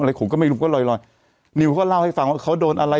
ผมก็ไม่รู้ก็ลอยลอยนิวก็เล่าให้ฟังว่าเขาโดนอะไร